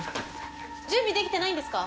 準備できてないんですか？